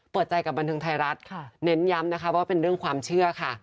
เปิดใจกับบันเทิงไทยรัฐเน้นย้ำนะคะว่าเป็นเรื่องความเชื่อค่ะ